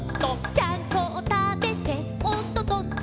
「ちゃんこをたべておっととっと」